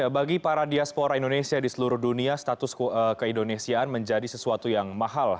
bagi para diaspora indonesia di seluruh dunia status keindonesiaan menjadi sesuatu yang mahal